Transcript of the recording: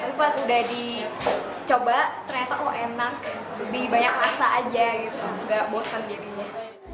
tapi pas udah dicoba ternyata oh enak lebih banyak rasa aja gitu nggak bosan jadinya